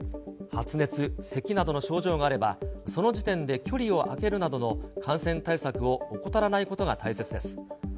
発熱、せきなどの症状があれば、その時点で距離を開けるなどの感染対策を怠らないことが大切です。